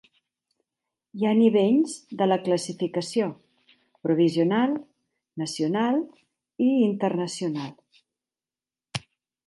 Hi ha nivells de la classificació: provisional, nacional i internacional.